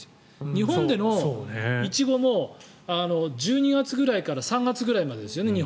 日本でのイチゴは１２月ぐらいから３月ぐらいまでですよね。